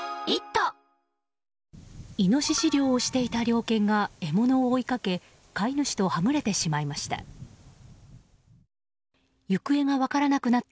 イノシシ猟をしていた猟犬が獲物を追いかけ飼い主とはぐれてしまいました。